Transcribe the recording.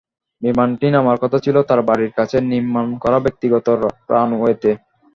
বিমানটি নামার কথা ছিল তাঁর বাড়ির কাছে নির্মাণ করা ব্যক্তিগত রানওয়েতে।